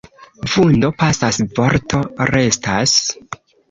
Vundo pasas, vorto restas.